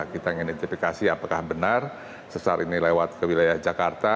kita ingin identifikasi apakah benar sesar ini lewat ke wilayah jakarta